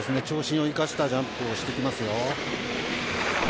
長身を生かしたジャンプをしてきますよ。